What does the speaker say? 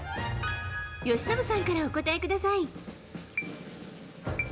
由伸さんからお答えください。